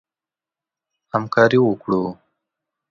همکاري وکړو.